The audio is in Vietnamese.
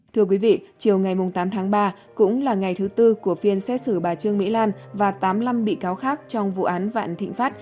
thưa quý vị chiều ngày tám tháng ba cũng là ngày thứ tư của phiên xét xử bà trương mỹ lan và tám mươi năm bị cáo khác trong vụ án vạn thịnh pháp